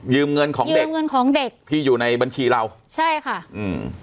เงินของเด็กยืมเงินของเด็กที่อยู่ในบัญชีเราใช่ค่ะอืม